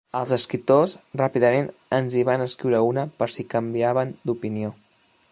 Els escriptors ràpidament ens hi van escriure una, per si canviaven d'opinió.